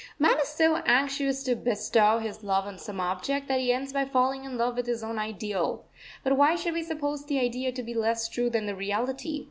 Man is so anxious to bestow his love on some object, that he ends by falling in love with his own Ideal. But why should we suppose the idea to be less true than the reality?